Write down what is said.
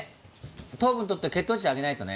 糖分とって血糖値上げないとね。